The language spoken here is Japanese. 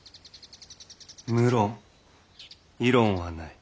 無論異論はない。